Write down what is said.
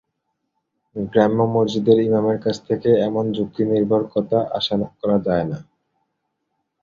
গ্রাম্য মসজিদের ইমামের কাছ থেকে এমন যুক্তিনির্ভর কথা আশা করা যায় না।